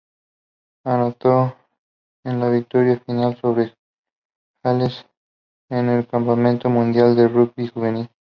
Anotó en la victoria final sobre Gales en el Campeonato Mundial de Rugby Juvenil.